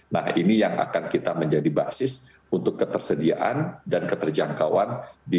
nah ini yang akan kita menjadi basis untuk ketersediaan dan keterjangkauan